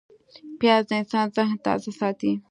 پیاز د انسان ذهن تازه ساتي